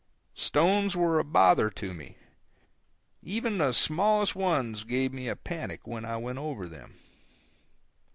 Stones were a bother to me. Even the smallest ones gave me a panic when I went over them.